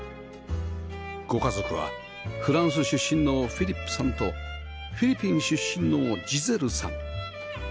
ご家族はフランス出身のフィリップさんとフィリピン出身のジゼルさん